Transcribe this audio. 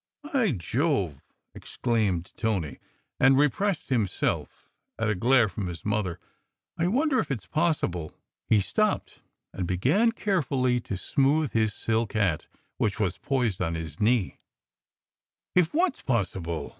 "By Jove!" exclaimed Tony, and repressed himself at a glare from his mother. "I wonder if it s possible " He stopped, and began carefully to smooth his silk hat which was poised on his knee. 186 SECRET HISTORY "If what s possible?"